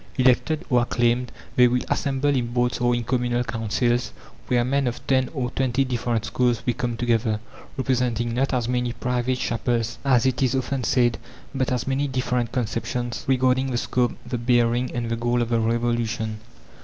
Elected or acclaimed, they will assemble in Boards or in Communal Councils, where men of ten or twenty different schools will come together, representing not as many "private chapels," as it is often said, but as many different conceptions regarding the scope, the bearing, and the goal of the revolution.